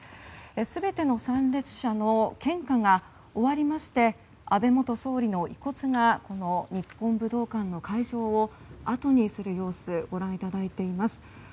全ての参列者の献花が終わりまして安倍元総理の遺骨がこの日本武道館の会場を後にする様子ご覧いただいています。